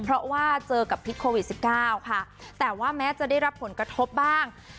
เพราะว่าเจอกับพิษโควิด๑๙ค่ะแต่ว่าแม้จะได้รับผลกระทบบ้าง